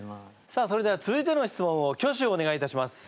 さあそれでは続いての質問を挙手お願いいたします。